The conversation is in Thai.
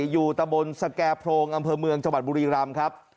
ตะบนสแก่โพรงอำเภอเมืองจังหวัดบุรีรำครับ